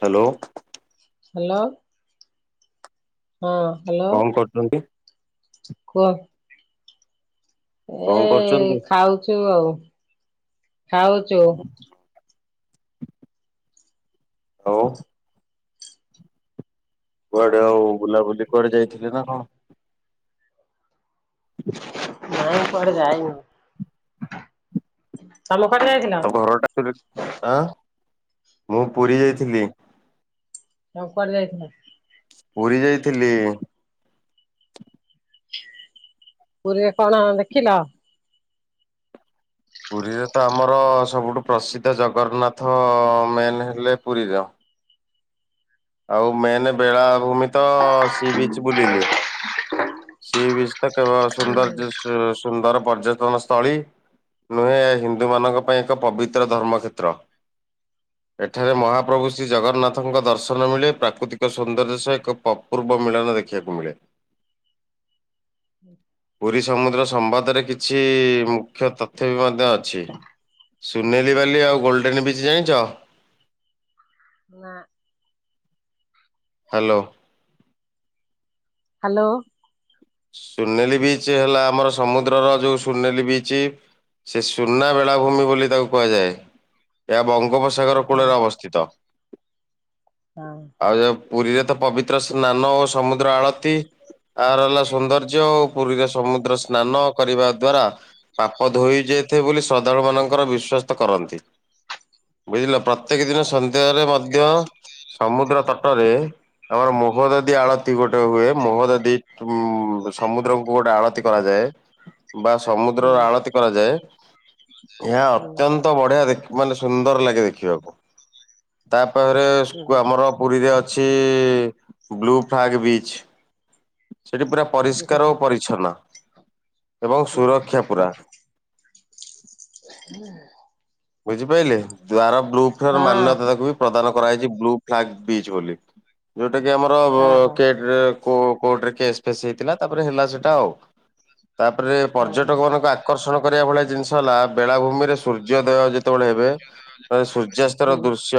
Hello. Hello. ହଁ। Hello କଣ କରୁଛନ୍ତି? କୁହ। ଏ କଣ କରୁଛନ୍ତି ଖାଉଛୁ ଆଉ ଖାଉଛୁ। ହଉ। କୁଆଡେ ଆଉ ବୁଲାବୁଲି କୁଆଡେ ଯାଇଥିଲେ ନା କଣ? ନାଇଁ କୁଆଡେ ଯାଇନୁ ତମ କଡେ ଯାଇଥିଲ? ତ ଘରଟା ଆଁ ମୁଁ ପୁରୀ ଯାଇଥିଲି। ଆଉ କୁଆଡେ ଯାଇଥିଲ ନା। ପୁରୀ ଯାଇଥିଲି। ପୁରୀରେ କଣ ଦେଖିଲ? ପୁରୀରେ ତ ଆମର ସବୁଠୁ ପ୍ରସିଦ୍ଧ ଜଗରନ୍ନାଥ ମେନ୍ ହେଲେ ପୁରୀର। ଆଉ ମେନ୍ ବେଳାଭୂମି ତ ସି ବିଚ ବୁଲିଲି ସି ବିଚ କେବେ ସୁନ୍ଦର୍ଯ୍ୟ ସୁନ୍ଦର ପର୍ଯ୍ୟଟନ ସ୍ଥଳୀ। ନୁହେଁ ଏହା ହିନ୍ଦୁମାନଙ୍କ ପାଇଁ ଏକ ପବିତ୍ର ଧର୍ମକ୍ଷେତ୍ର। ଏଠାରେ ମହାପ୍ରଭୁ ଶ୍ରୀ ଜଗନ୍ନାଥଙ୍କ ଦର୍ଶ ନ ମିଳେ ପ୍ରାକୃତିକ ସୌନ୍ଦର୍ଯ୍ୟ ସହ ଏକ ପ ପୂର୍ବ ମିଳନ ଦେଖିବାକୁ ମିଳେ। ପୁରୀ ସମୁଦ୍ର ସମ୍ବାଦରେ କିଛି ମୁଖ୍ୟ ତଥ୍ ଥ୍ୟ ବି ମଧ୍ୟ ଅଛି ସୁନେଲି ବାଲି ଆଉ ଗୋଲ୍ଡେନ୍ ବିଚ୍ ଜାଣିଛ। ନା। ହ୍ୟାଲୋ। ହ୍ୟାଲୋ। ସୁନେଲି ବିଚ୍ ହେଲା ଆମର ସମୁଦ୍ରର ଯୋଉ ସୁନେଲି ବିଚ୍। ସେ ସୁନା ବେଳାଭୂମି ବୋଲି ତାକୁ କୁହାଯାଏ ଏହା ବଙ୍ଗୋପସ ସାଗର ହଁ କୂଳରେ ଅବସ୍ଥିତ। ହଁ। ଆଉ ଯଉ ପୁରୀରେ ତ ପବିତ୍ର ସ୍ନାନ ଓ ସମୁଦ୍ର ଆଳତି ଆର ହେଲା ସୌନ୍ଦର୍ ଜ୍ୟ ଓ ହଁ ପୁରୀରେ ସମୁଦ୍ର ସ୍ନାନ କରିବା ଦ୍ଵାରା ପାପ ଧୋଇ ଯାଇଥାଏ ବୋଲି ଶ୍ରଦ୍ଧାଳୁ ମାନଙ୍କର ବିଶ୍ଵାସ୍ତ କରନ୍ତି। ବୁଝିଲ ପ୍ରତ୍ୟେକ ଦିନ ସନ୍ ଧ୍ୟ ରେ ମଧ୍ୟ ସମୁଦ୍ର ତଟରେ ଆମର ମୁହ ଦଦି ଆଳ ତି ଗୋଟେ ହୁଏ ମୋହ ଦ ଦି ସମୁଦ୍ରକୁ ଗୋଟେ ଆଳତି କରାଯାଏ ବା ସମୁଦ୍ରର ହୁଁ ଆଳତି କରାଯାଏ ଏହା ଅତ୍ୟନ୍ ତ ବଢିଆ ଦେଖ ମାନେ ସୁନ୍ଦର ଲାଗେ ଦେଖିବାକୁ ତାପରେ ସୁକୁ ହୁଁ ଆମର ପୁରୀରେ ଅଛି ବ୍ଲୁ ଫାଗବିଚ୍। ସେଠି ପୁରା ହୁଁ ପରିଷ୍କାର ଓ ପରିଚ୍ଛନ୍ନ ଏବଂ ହୁଁ ହୁଁ ସୁରକ୍ଷା ପୁରା। ହେଲା। ବୁଝିପାଇଲେ ଦ୍ଵାର ବ୍ଲୁ ଫେୟର ହଁ ମାନ୍ୟତା ତାକୁ ବି। ପ୍ରଦାନ କରାଯାହାଇଛି ବ୍ଲୁ ଫ୍ଲାଗ ବିଚ୍ ବୋଲି ଯୋଉଟା କି ଆମର ବ ଓହୋ କେ ରେ କୋ କୋର୍ଟରେ କେସ୍ ଫେଶ ହେଇଥିଲା ତାପରେ ହେଲା ସେଟା ଆଉ ତାପରେ ହଁ ପର୍ଯ୍ୟଟକ ମାନଙ୍କ। ଆକର୍ଷଣ କରିବା ଭଳିଆ ଜିନିଷ ହେଲା ବେଳାଭୂମିରେ ସୂର୍ଯ୍ୟୋଦୟ ଯେତେବେଳେ ହେବେ ସୂ ସୂର୍ଯ୍ୟାସ୍ତର ହୁଁ ଦୃଶ୍ୟ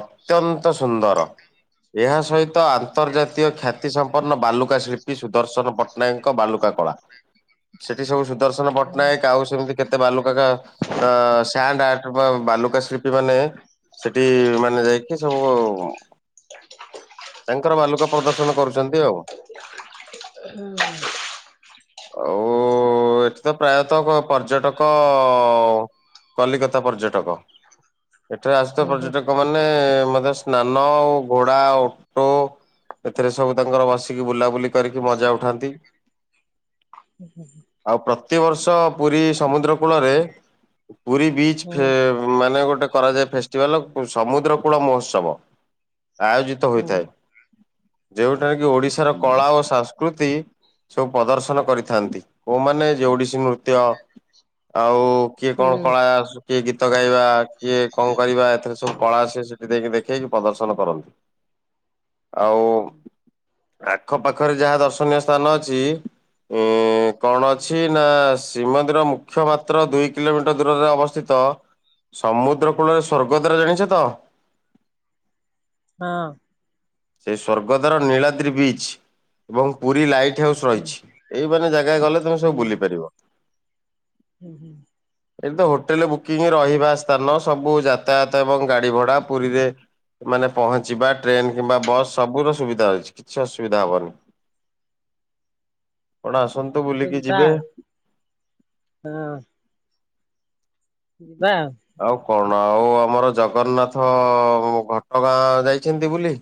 ଅତ୍ୟନ୍ତ ସୁନ୍ଦର। ଏହା ସହିତ ଆନ୍ତର୍ଜାତୀୟ ଖ୍ୟାତିସମ୍ପନ୍ନ ବାଲୁକା ଶିଳ୍ପୀ ସୁଦର୍ଶନ ପଟ୍ଟନାୟକଙ୍କ ବାଲୁକା କଳା। [unintelligible] ସେଠି ସବୁ ସୁଦର୍ଶନ ହୁଁ ପଟ୍ଟନାୟକ ଆଉ ସେମିତି କେତେ ବାଲୁକା କା ଆ ଶ ହାଣ୍ଡ ଆର୍ଟ ବା ବାଲୁକା ଶିଳ୍ପୀ ମାନେ ସେଠି ମାନ ଯାଇକି ସବୁ। ତାଙ୍କର ବାଲୁକା ପ୍ରଦର୍ଶନ କରୁଛନ୍ତି ଆଉ। ହୁଁ। ଆଉ ଏଠି ତ ପ୍ରାୟତଃ ପର୍ଯ୍ୟଟକ। କଲିକତା ପର୍ଯ୍ୟଟକ ଏଠାରେ ଆସୁଥିବା ହୁଁ ହୁଁ ପର୍ଯ୍ୟଟକ। ମାନେ ମଧ୍ୟ ସ୍ନାନ ଆଉ ଘୋଡ଼ା ଓଟ। ଏଥେରେ ସବୁ ତାଙ୍କର ବସିକି ବୁଲାବୁଲି କରିକି ମଜା ଉଠାନ୍ତି। [inaudible] ଆଉ ପ୍ରତିବର୍ଷ ପୁରୀ ସମୁଦ୍ର କୂଳରେ ପୁରୀ ବିଚ୍ ହୁଁ ଫେ ମାନେ ଗୋଟେ କରାଯାଏ ଫେଷ୍ଟିଭାଲ ସମୁଦ୍ର କୂଳ ମହୋତ୍ସବ ଆୟୋଜିତ। ହୁଁ ହଁ ହୋଇଥାଏ ଯେଉଁଠାରେ କି ଓଡିଶାର କଳା ଓ ସଂ ସ୍କୃତି ସବୁ ପ୍ରଦର୍ଶନ କରିଥାନ୍ତି କୋଉମାନେ ଯେ ଓଡିଶୀ ନୃତ୍ୟ। ଆଉ କିଏ କଣ? ହୁଁ କା ସୁ କିଏ ଗୀତ ଗାଇବା କିଏ କଣ କରିବା ଏଥିର ସବୁ କଳା ସେ ସେଠି ଯାଇକି ଦେଖେଇକି ପ୍ରଦର୍ଶନ କରନ୍ତି। ଆଉ। ଆଖ ପାଖରେ ଯାହା ଦର୍ଶନୀୟ ସ୍ଥାନ ଅଛି ଉଁ। କଣ ଅଛି ନା ଶ୍ରୀମନ୍ଦିର ମୁଖ୍ୟ ମାତ୍ର ଦୁଇ କିଲୋମିଟର। ର ଦୂରରେ ଅବସ୍ଥିତ ସମୁଦ୍ର କୂଳରେ ସ୍ଵର୍ଗ ଦ୍ୱାର ଜାଣିଛ ତ। ହଁ। ସେଇ ସ୍ଵର୍ଗଦ୍ୱାର ନୀଳାଦ୍ରି ବିଚ୍‌। ଏବଂ ପୁରୀ ଲାଇଟ୍ ହାଉସ୍ ରହିଛି ଏଇ ମାନେ ଜାଗା ଗଲେ ତମେ ସବୁ ହୁଁ ବୁଲି ପାରିବ। ହୁଁ ହୁଁ। ଏବେ ତ ହୋଟେଲ ବୁକିଂ ରହିବା ସ୍ଥାନ ସବୁ ଯାତାୟାତ ଏବଂ ଗାଡି ଭଡା ପୁରୀରେ। ମାନେ ପହଞ୍ଚିବା ଟ୍ରେନ କିମ୍ବା ବସ୍ ସବୁର ସୁବିଧା ହୋଇଛି କିଛି ଅସୁବିଧା ହବନି। ଆପଣ ଆସନ୍ତୁ ହଉ ତବେ ବୁଲିକି ଯିବା ଯିବେ। ଆଉ ହଁ। ଯିବା ଆଉ। ଆଉ କଣ ଆଉ ଆମର ଜଗନ୍ନାଥ ଘଟଗାଁ ଯାଇଛନ୍ତି ବୁଲି‌।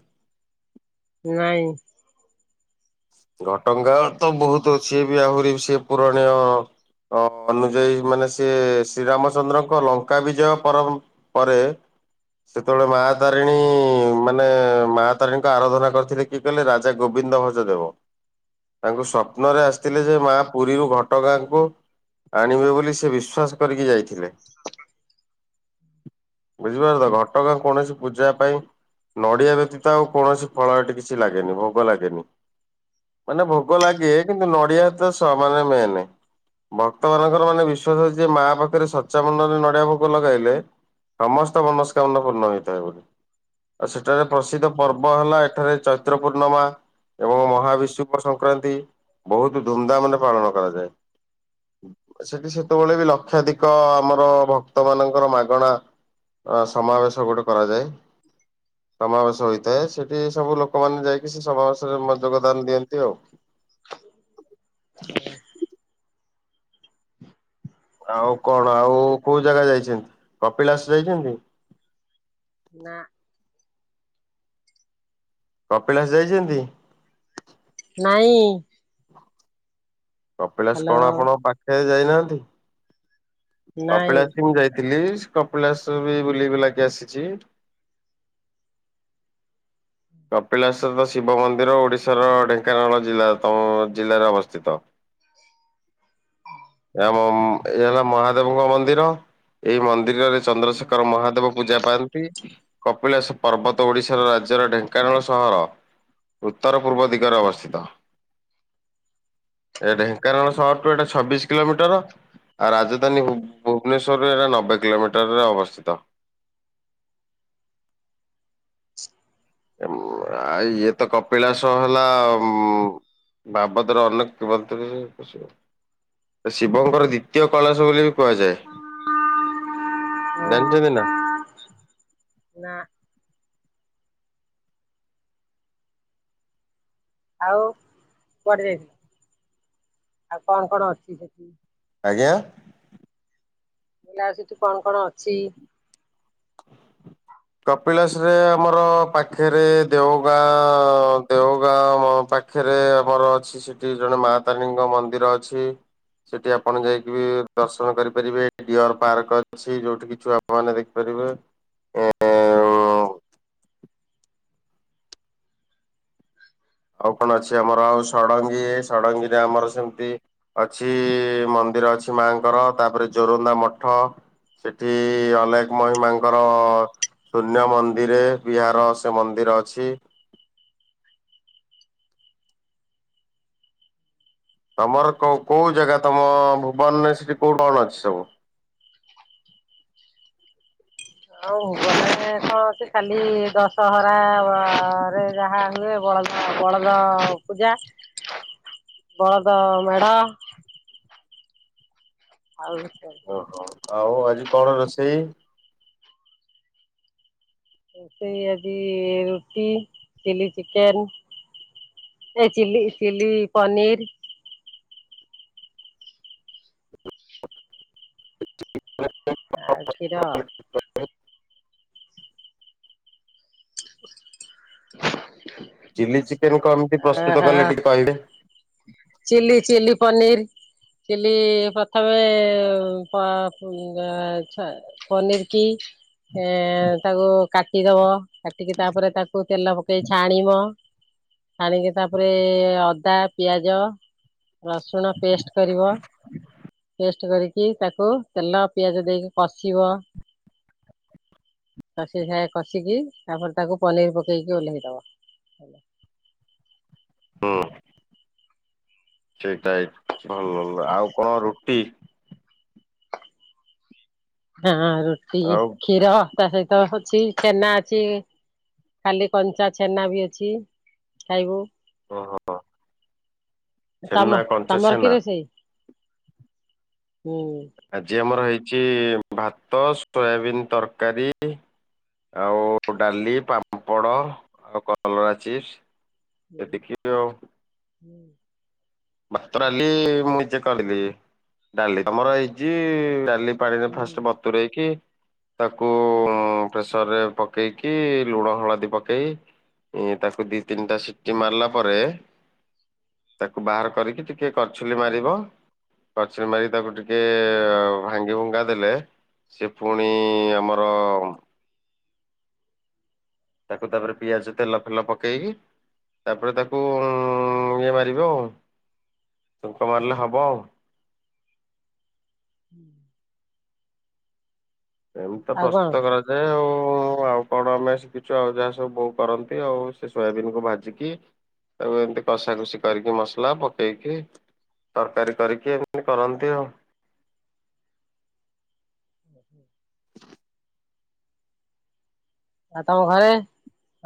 ନାଇଁ। ଘଟଙ୍ଗା ତ ବହୁତ ଅଛି ଏ ବି ଆହୁରି ବି ସେ ପୁରାଣୀୟ। ଅ ଅନୁଯାୟୀ ମାନେ ସିଏ ଶ୍ରୀରାମଚନ୍ଦ୍ରଙ୍କ ଲଙ୍କା ବିଜୟ ପର ପରେ। ସେତେବେଳେ ମା ତାରିଣୀ ମାନେ ମା ତାରିଣୀଙ୍କ ଆରାଧନା କରିଥିଲେ। କିଏ କହିଲେ ରାଜା ଗୋବିନ୍ଦ ଭଞ୍ଜ ଦେବ ତାଙ୍କୁ ସ୍ୱପ୍ନରେ ଆସିଥିଲେ ଯେ ମା ପୁରୀରୁ ଘ ଘଟ ଗାଁକୁ ଆଣିବେ ବୋଲି ସେ ବିଶ୍ଵାସ କରିକି ଯାଇଥିଲେ। ବୁଝିପାରିଲେ ତ ଘଟଗାଁ କୌଣସି ପୂଜା ପାଇଁ। ନଡ଼ିଆ ବ୍ୟତୀତ ଆଉ କୌଣସି ଫଳ ଏଠି କିଛି ଲାଗେନି ଭୋଗ ଲାଗେନି। ମାନେ ଭୋଗ ଲାଗେ କିନ୍ତୁ ନଡିଆ ତ ସ ମାନେ ମେନ୍। ଭକ୍ତମାନଙ୍କର ମାନେ ବିଶ୍ଵାସ ଅଛି ଯେ ମା ପାଖରେ ସଚାମନ ରେ ନଡିଆ ଭୋଗ ଲଗାଇଲେ। ସମସ୍ତ ମନସ୍କାମନା ପୂର୍ଣ୍ଣ ହେଇଥାଏ ବୋଲି। ଆଉ ସେଠାରେ ପ୍ରସିଦ୍ଧ ପର୍ବ ହେଲା ଏଠାରେ ଚୈତ୍ର ପୂର୍ଣ୍ଣିମା ଏବଂ ମହା ବିଶୁଭ ସଂକ୍ରାନ୍ତି ବହୁତ ଧୁମଧାମ ରେ ପାଳନ କରାଯାଏ। ସେଠି ସେତେବେଳେ ବି ଲକ୍ଷାଧିକ ଆମର ଭକ୍ତ ମାନଙ୍କର ମାଗଣା। ଅ ସମାବେଶ ଗୁଡିକ। କରାଯାଏ ସମାବେଶ ହୋଇଥାଏ ସେଠି ସବୁ ଲୋକମାନୋନ ଯାଇକି ସେ ସମବେଶରେ ଯ ପ୍ରଦାନ ଦିଅନ୍ତି ଆଉ। [inaudible] ଆଉ କଣ ଆଉ କୋଉ ଜାଗା ଯାଇଛନ୍ତି କପିଳାସ ଯାଇଛନ୍ତି? ନା। କପିଳାସ ଯାଇଛନ୍ତି? ନାଇଁ। କପିଳାସ କଣ ହ୍ୟାଲୋ ଆପଣଙ୍କ ପାଖରେ ଯାଇନାହାନ୍ତି। ନାଇଁ କପିଳାସ ମୁଁ ଯାଇଥିଲି କପିଳାସ ବି ବୁଲି ବୁଲାକି ଆସିଛି। କପିଳାସର ଶିବ ମନ୍ଦିର ଓଡିଶାର ଢେଙ୍କାନାଳ ଜିଲ୍ଲା ତମ ଜିଲ୍ଲାରେ ଅବସ୍ଥିତ। [inaudible] ଆମ ଏଇ ହେଲା ମହାଦେବଙ୍କ ମନ୍ଦିର ଏଇ ମନ୍ଦିରରେ ଚନ୍ଦ୍ରଶେଖର ମହାଦେବ ପୂଜା ପାଆନ୍ତି କପିଳାସ ପର୍ବତ ଓଡିଶାର ରାଜ୍ୟର ଢେଙ୍କ କାରଣ ସହର ଉତ୍ତର ପୂର୍ବ ଦିଗରେ ଅବସ୍ଥିତ। ଏ ଢେଙ୍କାନାଳ ସହର ଠୁ ଏଟା ଛବିଶ କିଲୋମିଟର ଆଉ ରାଜ ଧାନୀ ଭୁବନେଶ୍ୱରରେ ଏ ନବେ କିଲୋମିଟର ରେ ଅବସ୍ଥିତ। ଆ ଇଏ ତ କପିଳାସ ହେଲା ଉ ବାବଦରେ ଅନେକ କିମନ୍ତ ଶିବଙ୍କର ଦି ତୀୟ କୈଳାଶ ବୋଲି ବି କୁହାଯାଏ ଜାଣିଛନ୍ତି ନା। ନା। ଆଉ କୁଆଡେ ଯାଇଥିଲ ଆଉ କଣ କଣ ଅଛି ସେଠି? ଆଜ୍ଞା। ଲା ସେଠି କଣ କଣ ଅଛି? [inaudible] କପିଳାସରେ ଆମର ପାଖରେ ଦେଓଗାଁ ଦେଉଗାଁ ପାଖ ଖେରେ ଆମର ଅଛି ସେଠି ଜଣେ ମା ତାରିଣୀଙ୍କ ମନ୍ଦିର ଅଛି। ସେଠି ଆପଣ ଯାଇକି ବି ଦର୍ଶନ କରିପାରିବେ ଡିଅର ପାର୍କ ଅଛି ଯୋଉଠି କି ଛୁଆ ମାନେ ଦେଖିପାରିବେ। ଏ ଏ ଆଉ କଣ ଅଛି ଆମର ଆଉ ଷଡଙ୍ଗୀ ଷଡଙ୍ଗୀରେ ଆମର ସେମିତି ଅଛି ମନ୍ଦିର ଅଛି ମାଆଙ୍କର ତାପରେ ଜୋରନ୍ଦା ମଠ। ସେଠି ଅଲେଖ ମହିମାଙ୍କର ଶୂନ୍ୟ ମନ୍ଦିରେ ବିହାର ସେ ମନ୍ଦିର ଅଛି। ତମର କୋ କୋଉ ଜାଗା ତମ ଭୁବନରେ ସେଠି କୋଉ କଣ ଅଛି ସବୁ? ଆଉ ଭୁବନରେ ତ ଅଛି ଖାଲି ଦଶହରା ରେ ଯାହା ହୁଏ ବଳଦ ବଳଦ ପୂଜା ବଳଦ ମେଢ। ଆଉ ଓହୋ ଆଉ ଆଜି କଣ ରୋଷେଇ? ରୋସେଇ ଆଜି ରୁଟି ଚିଲି ଚିକେନ। ଏ ଚିଲି ଚିଲି ପନିର। ଆଉ କ୍ଷୀର। [unintelligible] [unintelligible] ଚିଲି ଚିକେନ କମିତି ପ୍ରସ୍ତୁତ କଲେ ଟିକେ କହିବେ। ଚିଲି ଚିଲି ପନିର ଚିଲି ପ୍ରଥମେ ଛ ପନିର କି ତାକୁ କାଟିଦବ। କାଟିକି ତାପରେ ତାକୁ ତେଲ ଦେଇ ଛାଣିବ ଛାଣିକି ତାପରେ ଅଦା ପିଆଜ ରସୁଣ ପେଷ୍ଟ କରିବ ପେଷ୍ଟ କରିକି ତାକୁ ତେଲ ପିଆଜ ଦେଇକି କଷିବ। କଷି ସାଏ କଷିକି ତାପରେ ତାକୁ ପନିର ପକେଇକି ଓହ୍ଲେଇଦବ। ହୁଁ। ସେଟା ଭଲ ଆଉ କଣ ରୁଟି? ହଁ ରୁଟି ଆଉ କ୍ଷୀର ତା ସହିତ ଅଛି ଛେନା ଅଛି। ଖାଲି କଞ୍ଚା ଛେନା ବି ଅଛି, ଖାଇବୁ। ଓହୋ। ଛେନା ତମ କଞ୍ଚା ତମର କି ଛେନା ରୋଷେଇ, ହୁଁ। ଆଜି ଆମର ହେଇଛି ଭାତ, ସୋୟାବିିନ ତରକାରୀ ଆଉ ଡ଼ାଲି, ପାମ୍ପଡ଼ ଆଉ କଲରା ଚିପ୍ସ। ଏ ହୁଁ ଦେଖିବ ଆ ହୁଁ। ଭାତ, ଡ଼ାଲି ମୁଁ ନିଜେ କରି [unintelligible] ଡ଼ାଲି ଆମର ଏଇଚି ଡ଼ାଲି ପାଣିରେ ହୁଁ ଫାଷ୍ଟ ବତୁରେଇକି ତାକୁ ପ୍ରେସରରେ ପକେଇକି ଲୁଣ, ହଳଦୀ ପକେଇ ଏ ତାକୁ ଦି ତିନିଟା ସିଟି ମାରିଲା ପରେ ତାକୁ ବାହାର କରିକି ଟିକେ କଛୁଲି ହୁଁ ହୁଁ ମାରିବ କଛୁଲି ମାରିକି ତାକୁ ଟିକେ ହୁଁ ଭାଙ୍ଗି ଭୁଙ୍ଗା ଦେଲେ ସେ ପୁଣି ଆମର ତାକୁ ତାପରେ ପିଆଜ ତେଲ ଫେଲ ପକେଇକି ତାପରେ ତାକୁ ଇଏ ମାରିବେ ଆଉ ଛୁଙ୍କ ମାରିଲେ ହବ ଆଉ। ହୁଁ। ଏମିତି ତ ପ୍ରସ୍ତୁତ କରାଯାଏ ଆଉ। ଆଉ କଣ ଆମେ ଶିଖିଚୁ ଆଉ ଯାହା ସବୁ ବୋଉ କରନ୍ତି ଆଉ ସେ ସୋୟାବନ୍ କୁ ଭାଜିକି ତାକୁ ଏମିତି କଷା କଷି କରିକି ମସଲା ପକେଇକି ତରକାରୀ କରିକି ଏମିତି କରନ୍ତି ଆଉ। [inaudible] ଆଉ ତମ ଘରେ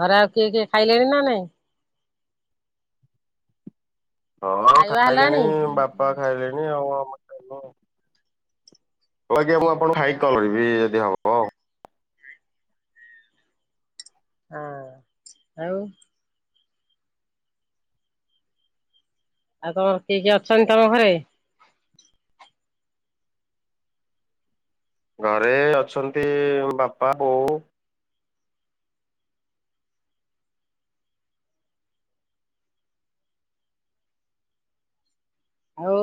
ଘରେ ଆଉ କିଏ କିଏ ଖାଇଲେଣି ନା ନାଇଁ? ହଁ ଖାଇବା ଖାଇଲେଣି ହେଲାଣି ବାପା ଖାଇଲେଣି ଆଉ ଆମ [unintelligible] ଆଜ୍ଞା, ମୁଁ ଆପଣଙ୍କୁ ଖାଇକି ହଁ କଲ କରିବି ଯଦି ହବ। ଆଉ। ହଁ, ଆଉ। ଆଉ ତମର କିଏ କିଏ ଅଛନ୍ତି ତମ ଘରେ? ଘରେ ଅଛନ୍ତି ବାପା, ବୋଉ। ଆଉ?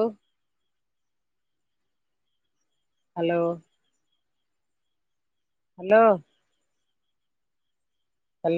ହ୍ୟାଲୋ। ହ୍ୟାଲୋ। ହ୍ୟାଲୋ